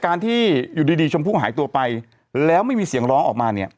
การที่อยู่ดีชมพู่หายตัวไปแล้วไม่มีเสียงร้องออกมาเนี่ย